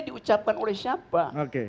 diucapkan oleh siapa